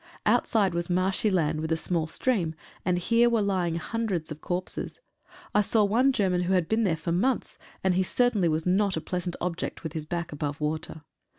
Outside was marshy land with a small stream, and here were lying hundreds of corpses. I saw one German who had been there for months, and he certainly was not a pleasant object, with his back above water.